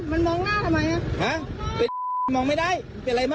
เอาดีอะ